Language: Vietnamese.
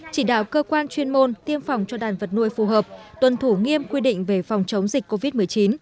chỉ đạo cơ quan chuyên môn tiêm phòng cho đàn vật nuôi phù hợp tuân thủ nghiêm quy định về phòng chống dịch covid một mươi chín